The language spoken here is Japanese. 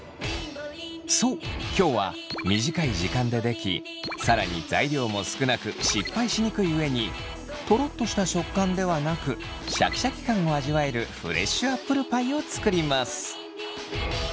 そう今日は短い時間ででき更に材料も少なく失敗しにくい上にとろっとした食感ではなくシャキシャキ感を味わえるフレッシュアップルパイを作ります！